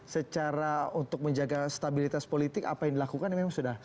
secara untuk menjaga stabilitas politik apa yang dilakukan memang sudah